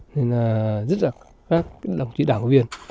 nên rất là cảm ơn các đồng chí đảng viên